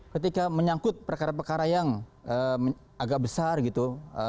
ketika menyangkut perkara perkara yang agak besar gitu